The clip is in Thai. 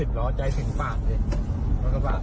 คุณนะ